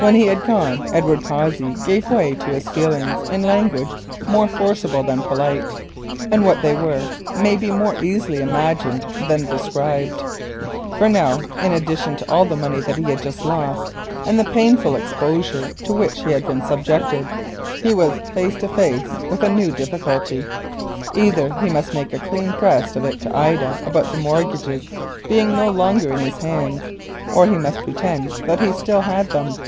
As soon as he had gone, Edward Cossey gave way to his feelings in language forcible rather than polite. For now, in addition to all the money which he had lost, and the painful exposure to which he had been subjected, he was face to face with a new difficulty. Either he must make a clean breast of it to Ida about the mortgages being no longer in his hands or he must pretend that he still had them.